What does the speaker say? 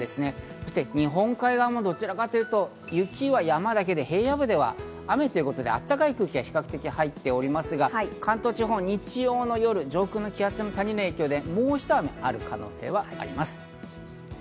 そして日本海側もどちらかというと雪は山だけで平野部は雨ということで、あったかい空気が比較的入っていますが関東地方、日曜の夜、上空の気圧の谷の影響で、もうひと雨ある可能性があります。